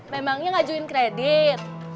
memangnya ngajuin kredit